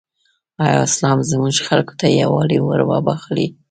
ایا اسلام زموږ خلکو ته یووالی وروباخښلی؟